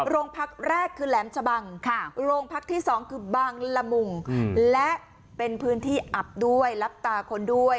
โรงพักแรกคือแหลมชะบังโรงพักที่๒คือบางละมุงและเป็นพื้นที่อับด้วยรับตาคนด้วย